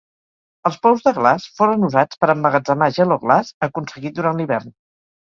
Els pous de glaç foren usats per emmagatzemar gel o glaç aconseguit durant l'hivern.